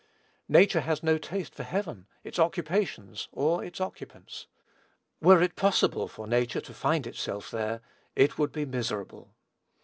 Nature has no taste for heaven, its occupations, or its occupants. Were it possible for nature to find itself there, it would be miserable.